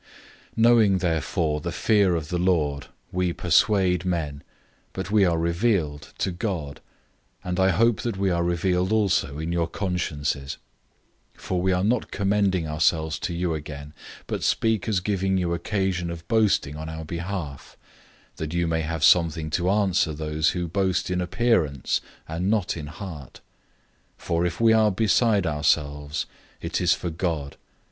005:011 Knowing therefore the fear of the Lord, we persuade men, but we are revealed to God; and I hope that we are revealed also in your consciences. 005:012 For we are not commending ourselves to you again, but speak as giving you occasion of boasting on our behalf, that you may have something to answer those who boast in appearance, and not in heart. 005:013 For if we are beside ourselves, it is for God.